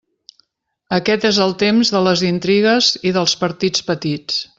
Aquest és el temps de les intrigues i dels partits petits.